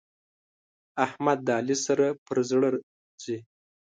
احمد د علي سره پر زړه ځي.